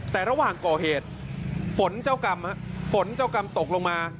แต่ระหว่างก่อเหตุฝนเจ้ากรรมตกลงมา